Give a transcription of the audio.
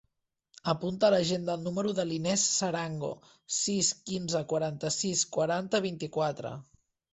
Apunta a l'agenda el número de l'Inés Sarango: sis, quinze, quaranta-sis, quaranta, vint-i-quatre.